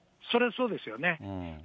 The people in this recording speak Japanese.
それはそうですよね。